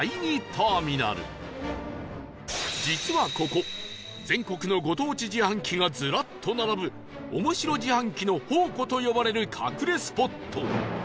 実はここ全国のご当地自販機がずらっと並ぶ「おもしろ自販機の宝庫」と呼ばれる隠れスポット